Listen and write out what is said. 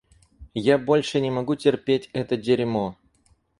Я больше не могу терпеть это дерьмо.